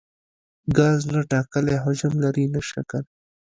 ګاز نه ټاکلی حجم لري نه شکل.